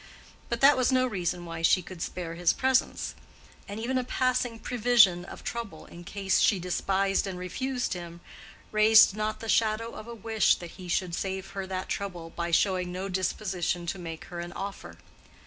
But that was no reason why she could spare his presence: and even a passing prevision of trouble in case she despised and refused him, raised not the shadow of a wish that he should save her that trouble by showing no disposition to make her an offer.